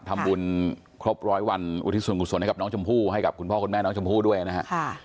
ทำบุญครบร้อยวันอุทิศส่วนกุศลให้กับน้องชมพู่ให้กับคุณพ่อคุณแม่น้องชมพู่ด้วยนะฮะ